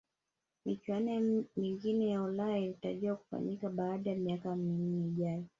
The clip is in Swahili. michuano mingine ya ulaya inatarajiwa kufanyika baada ya miaka minne ijayo